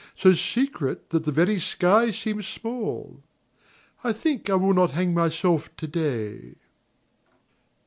So secret that the very sky seems small — I think I will not hang myself to day.